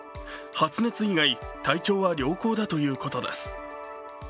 発熱以外体調は良好だということです。